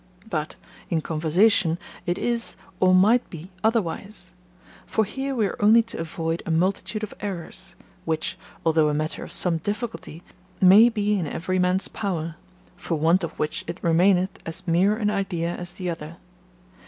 But, in conversation, it is, or might be otherwise; for here we are only to avoid a multitude of errors, which, although a matter of some difficulty, may be in every man's power, for want of which it remaineth as mere an idea as the other.